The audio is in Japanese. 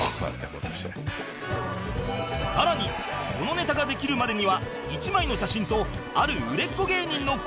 さらにこのネタができるまでには１枚の写真とある売れっ子芸人の言葉があった